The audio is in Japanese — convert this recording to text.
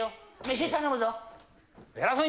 飯頼むぞ。